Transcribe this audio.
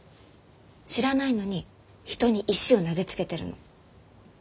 知らないのに人に石を投げつけてるの。